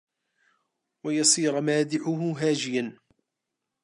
وَيَصِيرَ مَادِحُهُ هَاجِيًا